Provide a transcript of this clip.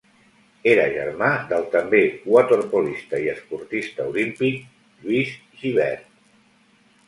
Era germà del també waterpolista i esportista olímpic Lluís Gibert.